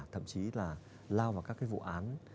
thậm chí là lao vào các cái vụ án